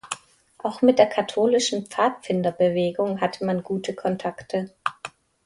Auch mit der katholischen Pfadfinderbewegung hatte man gute Kontakte.